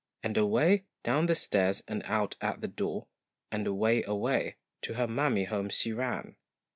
and away, down the stairs and out at the door, and away away to her mammy home she ran.